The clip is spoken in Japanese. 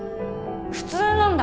普通なんだ。